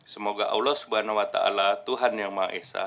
semoga allah swt tuhan yang maha esa